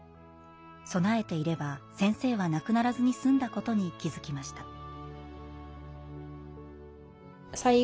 備えていれば先生は亡くならずに済んだ事に気付きました。